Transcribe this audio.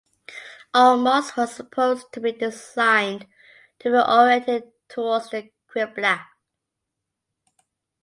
All mosques are supposed to be designed to be oriented towards the qibla.